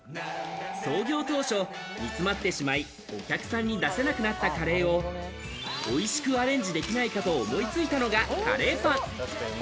創業当初、煮詰まってしまい、お客さんに出せなくなったカレーを美味しくアレンジできないかと思いついたのが、カレーパン。